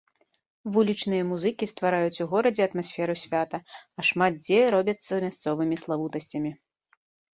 Вулічныя музыкі ствараюць у горадзе атмасферу свята, а шмат дзе робяцца мясцовымі славутасцямі.